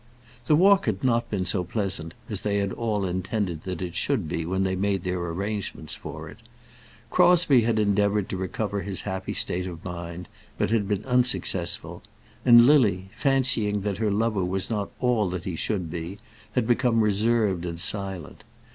The walk had not been so pleasant as they had all intended that it should be when they made their arrangements for it. Crosbie had endeavoured to recover his happy state of mind, but had been unsuccessful; and Lily, fancying that her lover was not all that he should be, had become reserved and silent.